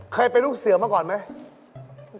เคยเป็นลูกเสือมาก่อนไหม